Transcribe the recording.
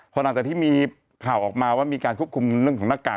พอหลังจากที่มีข่าวออกมาว่ามีการควบคุมเรื่องของหน้ากาก